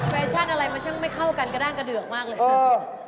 แฟชั่นอะไรมันช่างไม่เข้ากันกระด้างกระเดือกมากเลย